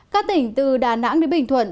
các tỉnh từ đà nẵng đến bình thuận